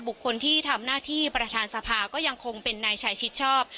บุคคลที่ทำหน้าที่ประธานสภาก็ยังคงเป็นนายชายชิดชอบ